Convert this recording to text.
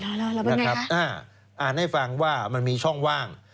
แล้วเป็นอย่างไรคะนะครับอ่านให้ฟังว่ามันมีช่องว่าง